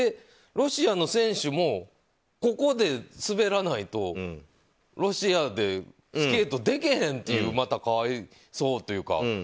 ロシアの選手もここで滑らないとロシアでスケートでけへんっていうまた可哀想というか。